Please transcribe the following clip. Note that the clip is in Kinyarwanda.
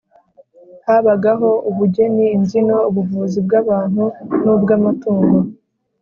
habagaho ubugeni imbyino, ubuvuzi bw'abantu n'ubw'amatungo.